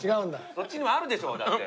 そっちにもあるでしょだって。